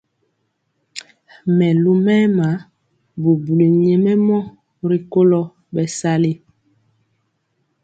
Mɛlumɛma bubuli nyɛmemɔ rikolo bɛsali.